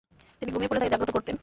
তিনি ঘুমিয়ে পড়লে তাঁকে জাগ্রত করতেন।